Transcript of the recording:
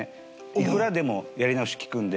いくらでもやり直しきくんで。